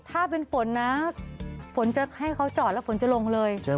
ถ้าเป็นฝนนะฝนจะให้เขาจอดแล้วฝนจะลงเลย